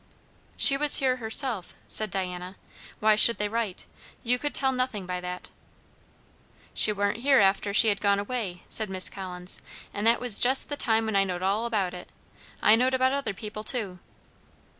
"She was here herself," said Diana; "why should they write? You could tell nothing by that." "She warn't here after she had gone away," said Miss Collins; "and that was jes' the time when I knowed all about it. I knowed about other people too."